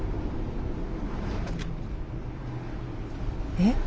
えっ？